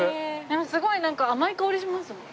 すごいなんか甘い香りしますもん。